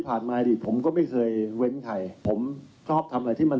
มาอดีตผมก็ไม่เคยเว้นใครผมชอบทำอะไรที่มัน